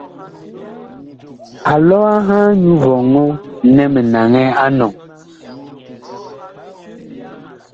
Alɔ a ŋhaa nyu vɔŋɔ nɛ mi naŋɛ a enɔŋ.